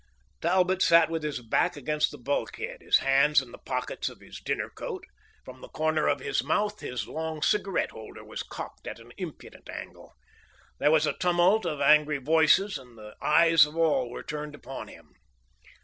Talbot sat with his back against the bulkhead, his hands in the pockets of his dinner coat; from the corner of his mouth his long cigarette holder was cocked at an impudent angle. There was a tumult of angry voices, and the eyes of all were turned upon him.